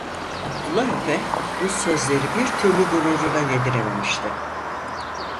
Abdullah Efe, bu sözleri bir türlü gururuna yedirememişti.